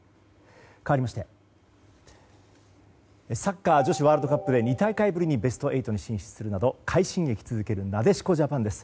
かわりましてサッカー女子ワールドカップで２大会ぶりにベスト８に進出するなど快進撃を続けるなでしこジャパンです。